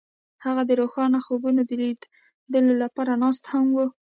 هغوی د روښانه خوبونو د لیدلو لپاره ناست هم وو.